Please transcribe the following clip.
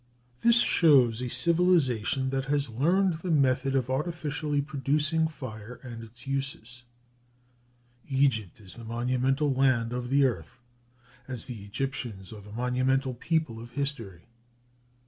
This shows a civilization that has learned the method of artificially producing fire, and its uses. Egypt is the monumental land of the earth, as the Egyptians are the monumental people of history.